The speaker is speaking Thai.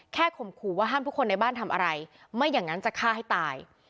ข่มขู่ว่าห้ามทุกคนในบ้านทำอะไรไม่อย่างนั้นจะฆ่าให้ตาย